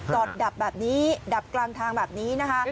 ดับแบบนี้ดับกลางทางแบบนี้นะคะ